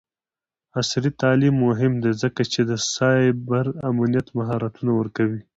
عصري تعلیم مهم دی ځکه چې د سایبر امنیت مهارتونه ورکوي.